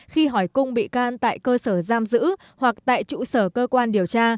khi hỏi cung bị can tại cơ sở giam giữ hoặc tại trụ sở cơ quan điều tra